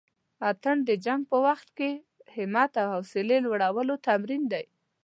اتڼ د جنګ په وخت کښې د همت او حوصلې لوړلو تمرين دی.